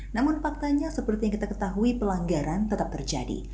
namun faktanya seperti yang kita ketahui pelanggaran tetap terjadi